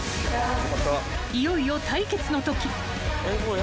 ［いよいよ対決の時］